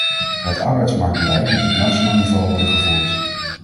Het arbeidsmarktbeleid moet op nationaal niveau worden gevoerd.